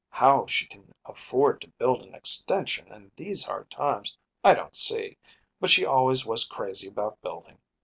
How she can afford to build an extension in these hard times I don’t see; but she always was crazy about building.